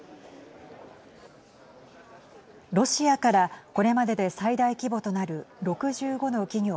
ロシアからこれまでで最大規模となる６５の企業